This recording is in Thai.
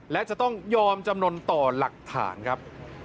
และจะต้องยอมจำนวนต่อหลักฐานครับ